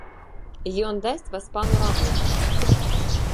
Ён дасць васпану работу.